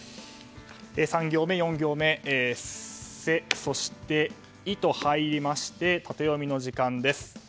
３行目、４行目「セ」、そして「イ」と入りましてタテヨミの時間です。